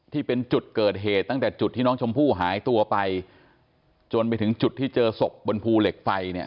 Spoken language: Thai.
ที่เป็นจุดเกิดเหตุตั้งแต่จุดที่น้องชมพู่หายตัวไปจนไปถึงจุดที่เจอศพบนภูเหล็กไฟเนี่ย